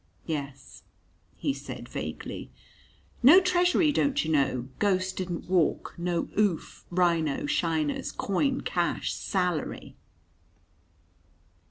"Yes?" he said vaguely. "No treasury, don't you know? Ghost didn't walk. No oof, rhino, shiners, coin, cash, salary!"